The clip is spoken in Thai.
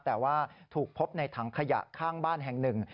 แต่ว่าถูกพบในถังขยะข้างบ้านแห่งหนึ่ง